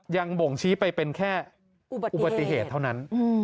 บ่งชี้ไปเป็นแค่อุบัติเหตุเท่านั้น